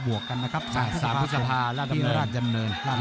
สมัยผมเคยชกมวยเจออย่างนี้ไปไม่เป็น